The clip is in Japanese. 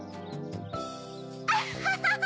アッハハハ！